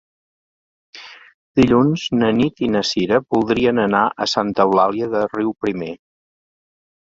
Dilluns na Nit i na Cira voldrien anar a Santa Eulàlia de Riuprimer.